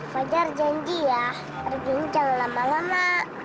fajar janji ya perginya jangan lama lama